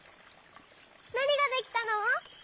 なにができたの？